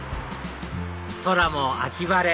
空も秋晴れ！